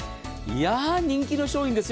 人気の商品ですよ。